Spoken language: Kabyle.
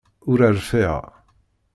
Ur rfiɣ!